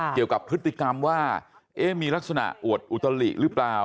เกี่ยวกับพฤติกรรมว่ามีลักษณะอวดอุตลิหรือเปล่า